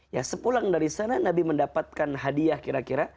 ya sepulang dari sana nabi mendapatkan hadiah kira kira